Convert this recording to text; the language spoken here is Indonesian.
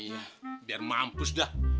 iya biar mampus dah